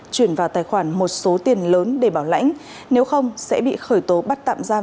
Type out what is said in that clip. chuyển vào tài khoản một số tiền lớn để bảo lãnh nếu không sẽ bị khởi tố bắt tạm giam